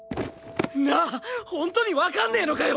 なあ本当にわかんねえのかよ！